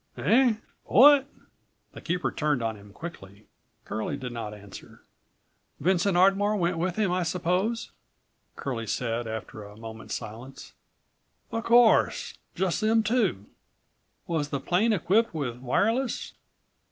"Eh? What?" the keeper turned on him quickly. Curlie did not answer. "Vincent Ardmore went with him, I suppose," Curlie said after a moment's silence. "Of course. Just them two." "Was the plane equipped with wireless?"